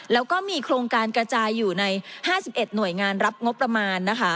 แล้วก็มีโครงการกระจายอยู่ใน๕๑หน่วยงานรับงบประมาณนะคะ